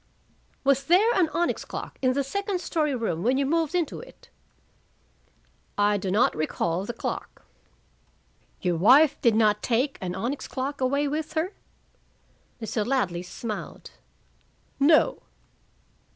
"Was there an onyx clock in the second story room when you moved into it?" "I do not recall the clock." "Your wife did not take an onyx clock away with her?" Mr. Ladley smiled. "No."